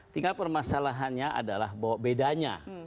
tinggal permasalahannya adalah bahwa bedanya